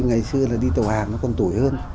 ngày xưa là đi tàu hàng nó còn tuổi hơn